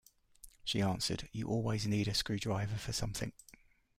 She answered: You always need a screwdriver for something.